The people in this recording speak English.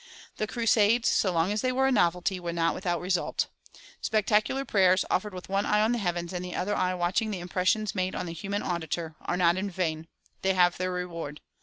The crusades, so long as they were a novelty, were not without result. Spectacular prayers, offered with one eye on the heavens and the other eye watching the impressions made on the human auditor, are not in vain; they have their reward.